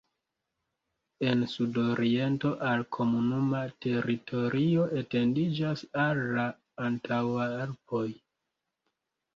En sudoriento al komunuma teritorio etendiĝas al la Antaŭalpoj.